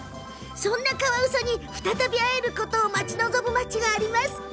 そんなカワウソに再び会えることを待ち望む町があります。